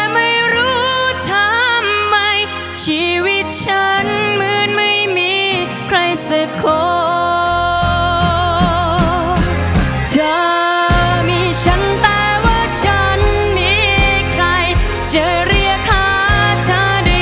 แม้ไม่รู้สึกว่าฉันจะสลายจริงข้าย